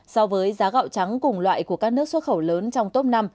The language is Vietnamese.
so với giá gạo trắng cùng loại của các nước xuất khẩu lớn trong top năm